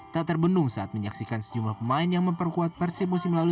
tak terbendung saat menyaksikan sejumlah pemain yang memperkuat persep musim lalu